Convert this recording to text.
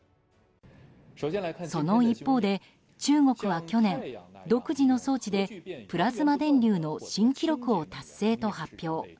その一方で、中国は去年独自の装置でプラズマ電流の新記録を達成と発表。